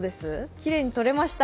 きれいに撮れました。